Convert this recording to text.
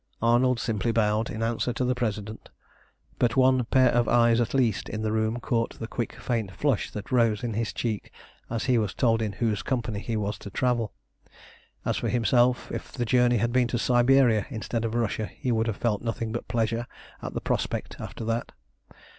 Arnold simply bowed in answer to the President; but one pair of eyes at least in the room caught the quick, faint flush that rose in his cheek as he was told in whose company he was to travel. As for himself, if the journey had been to Siberia instead of Russia, he would have felt nothing but pleasure at the prospect after that.